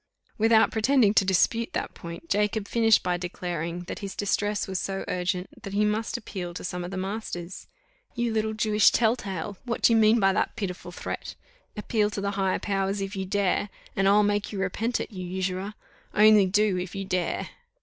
Without pretending to dispute that point, Jacob finished by declaring, that his distress was so urgent that he must appeal to some of the masters. "You little Jewish tell tale, what do you mean by that pitiful threat? Appeal to the higher powers if you dare, and I'll make you repent it, you usurer! Only do, if you dare!"